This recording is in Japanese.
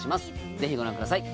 ぜひご覧ください。